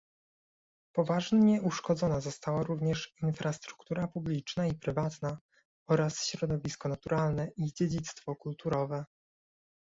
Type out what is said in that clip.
Poważnie uszkodzona została również infrastruktura publiczna i prywatna oraz środowisko naturalne i dziedzictwo kulturowe